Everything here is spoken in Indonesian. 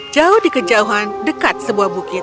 jauh di kejauhan dekat sebuah bukit